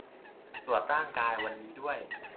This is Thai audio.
ตรวจร่างกาย วันนี้ด้วย